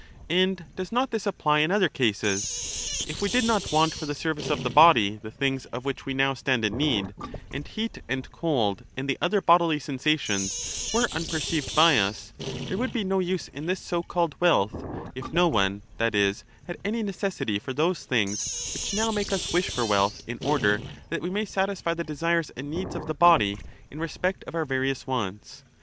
And does not this apply in other cases? If we did not want for the service of the body the things of which we now stand in need, and heat and cold and the other bodily sensations were unperceived by us, there would be no use in this so called wealth, if no one, that is, had any necessity for those things which now make us wish for wealth in order that we may satisfy the desires and needs of the body in respect of our various wants.